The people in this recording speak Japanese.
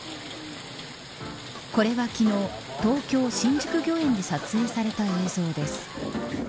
これは昨日東京、新宿御苑で撮影された映像です。